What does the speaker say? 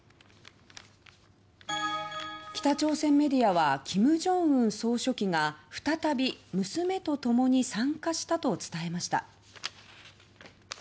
北朝鮮メディアは金正恩総書記が再び娘と共に参加したと伝えました。